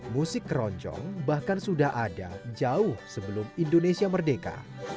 musik keroncong bahkan sudah ada jauh sebelum indonesia merdeka